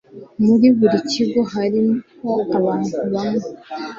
Muri buri kigo hariho abantu bamwe